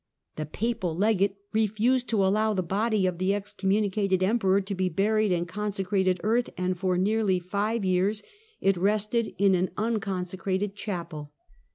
The papal legate refused to allow the body of the excommunicated Emperor to be buried in consecrated earth, and for nearly five years it rested in an unconsecrated chapel.